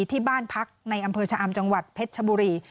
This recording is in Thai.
ที่บ้านพักในอำเภอชะอำจังหวัดเพชรชบุรี